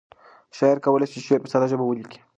شاعر کولی شي شعر په ساده ژبه ولیکي.